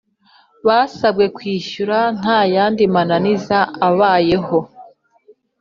Basabwe kwishyura ntayandi mananiza abayeho